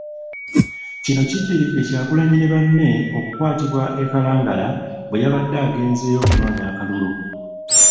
Kino kiddiridde Kyagulanyi ne banne okukwatibwa e Kalangala bwe yabadde agenzeeyo okunoonya akalulu.